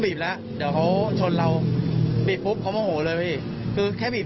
หลังจากคลิปนั้นแล้วพี่